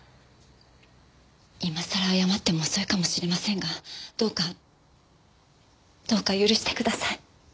今さら謝っても遅いかもしれませんがどうかどうか許してください。